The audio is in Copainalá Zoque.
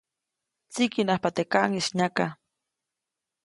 Tsikiʼnajpa teʼ kaʼŋis nyaka.